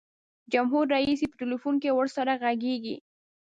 جمهور رئیس یې په ټلفون کې ورسره ږغیږي.